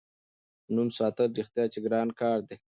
نوم ساتل رښتیا چې ګران کار دی.